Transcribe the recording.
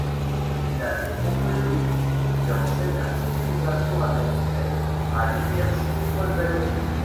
Il habite Montpellier, où il enseigne la civilisation américaine à l’université Paul-Valéry.